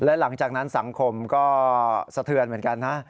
และหลังจากนั้นสังคมก็สะเทือนเหมือนกันนะ